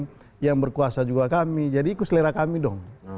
teman teman yang di balik seluruhnya itu